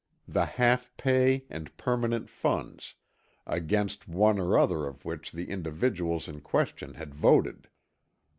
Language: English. the half pay and permanent funds; against one or other of which the individuals in question had voted.